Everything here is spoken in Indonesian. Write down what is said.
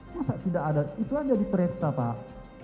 masa tidak ada itu ada di pereksa pak